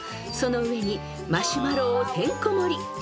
［その上にマシュマロをてんこ盛り］